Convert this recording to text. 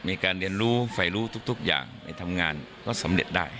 มีการเรียนรู้ไฟรู้ทุกอย่างไปทำงานก็สำเร็จได้